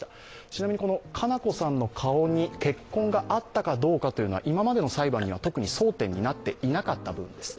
ちなみに、佳菜子さんの顔に血痕があったかどうかというのは今までの裁判では特に争点になっていなかった部分です。